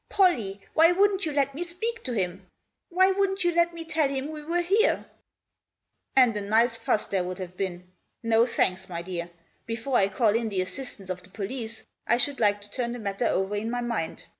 " Pollie, why wouldn't you let me speak to him ? Why wouldn't you let me tell him we were here ?"" And a nice fuss there'd have been. No, thanks, my dear. Before I call in the assistance of the police I should like to turn the matter over in my mind.